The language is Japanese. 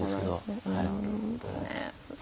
なるほど。